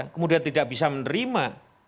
kemudian tidak bisa menerima